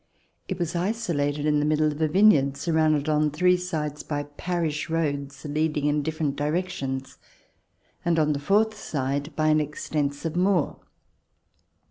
It was isolated in the midst of a vineyard surrounded on three sides by parish roads leading in different directions, and on the fourth side by an extensive moor.